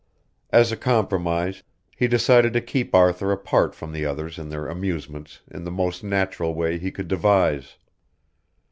As a compromise he decided to keep Arthur apart from the others in their amusements in the most natural way he could devise.